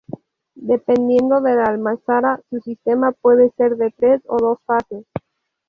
Dependiendo de la almazara, su sistema puede ser de tres o dos fases.